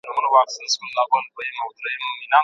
دا رومان د هر انسان په ژوند کې یو ځل باید ولوستل شي.